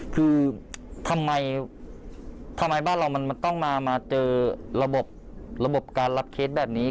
คือทำไมบ้านเรามันต้องมาเจอระบบระบบการรับเคสแบบนี้